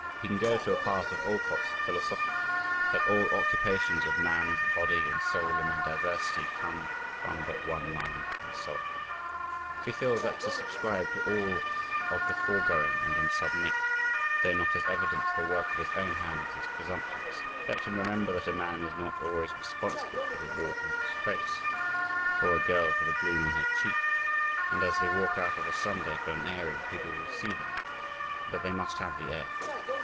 He can go to a part of Alcott's philosophy "that all occupations of man's body and soul in their diversity come from but one mind and soul!" If he feels that to subscribe to all of the foregoing and then submit, though not as evidence, the work of his own hands is presumptuous, let him remember that a man is not always responsible for the wart on his face, or a girl for the bloom on her cheek, and as they walk out of a Sunday for an airing, people will see them but they must have the air.